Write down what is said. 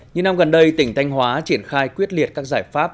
những năm gần đây tỉnh thanh hóa triển khai quyết liệt các giải pháp